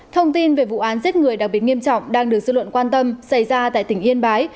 thông tin về vụ án giết người đặc biệt nghiêm trọng đang được dư luận quan tâm xảy ra tại tỉnh yên bái